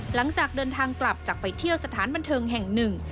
หลังจากเดินทางกลับจากไปเที่ยวสถานบันเทิงแห่งหนึ่ง